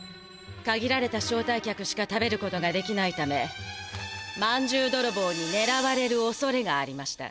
かぎられた招待客しか食べることができないためまんじゅうどろぼうにねらわれるおそれがありました」。